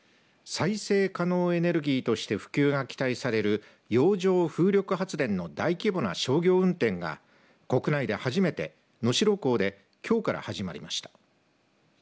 再生可能エネルギーとして普及が期待される洋上風力発電の大規模な商業運転が国内で初めて能代港できょうから始まりました。